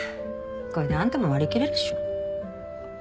これであんたも割り切れるでしょ。